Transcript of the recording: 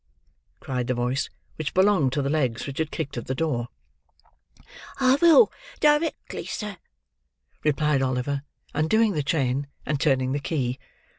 cried the voice which belonged to the legs which had kicked at the door. "I will, directly, sir," replied Oliver: undoing the chain, and turning the key.